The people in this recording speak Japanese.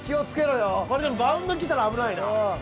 これでもバウンド来たら危ないな。